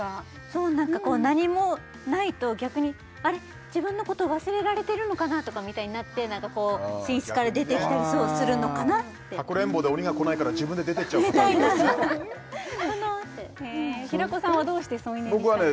そうなんか何もないと逆に「あれ自分のこと」「忘れられてるのかな？」とかみたいになって寝室から出てきたりするのかなってかくれんぼで鬼が来ないから自分で出てっちゃうみたいなこと平子さんはどうして添い寝にしたんですか？